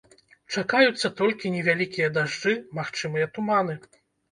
Чакаюцца толькі невялікія дажджы, магчымыя туманы.